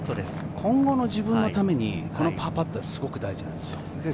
今後の自分のために、このパーパットはすごく大事なんですよ。